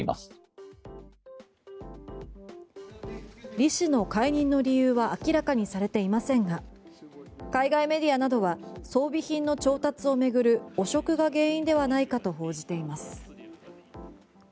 リ氏の解任の理由は明らかにされていませんが海外メディアなどは装備品の調達を巡る汚職が原因ではないかと応じています。